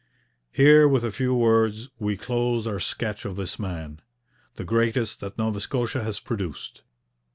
Here, with a few words, we close our sketch of this man, the greatest that Nova Scotia has produced.